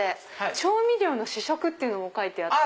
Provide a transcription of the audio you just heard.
調味料の試食って書いてあって。